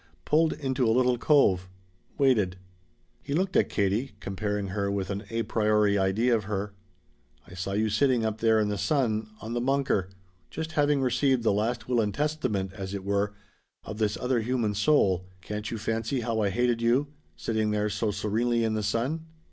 Pulled into a little cove. Waited." He looked at Katie, comparing her with an a priori idea of her. "I saw you sitting up there in the sun on the bunker. Just having received the last will and testament, as it were, of this other human soul, can't you fancy how I hated you sitting there so serenely in the sun?"